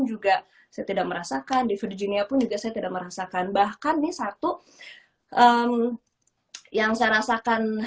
juga saya tidak merasakan di virginia pun juga saya tidak merasakan bahkan ini satu yang saya rasakan